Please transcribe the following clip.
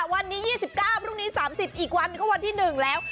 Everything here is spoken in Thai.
วันนี้๒๙พรุ่งนี้๓๐อีกวันก็วันที่๑แล้ว